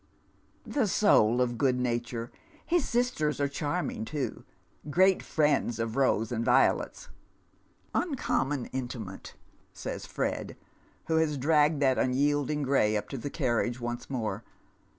" The soul of good nature. His sisters are charming too ; great friends of Eose and Violet's'" " Uncommon intimate," saj s Fred, who has dragged that unyielding gray up to tlie carriage once more.